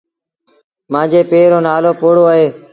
مآݩجي پي رو نآلو پوهوڙو اهي۔